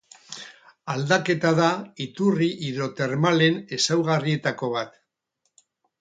Aldaketa da iturri hidrotermalen ezaugarrietako bat.